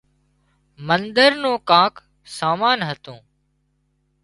منۮر نُون ڪانڪ سامان هتون